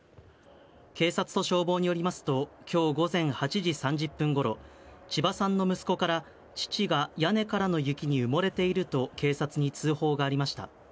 警察と消防によりますと、きょう午前８時３０分ごろ、千葉さんの息子から、父が屋根からの雪に埋もれていると、警察に通報がありました。